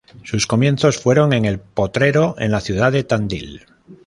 Sus comienzos fueron en el potrero en la ciudad de tandil.